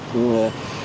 quyền sử dụng ngôn ngữ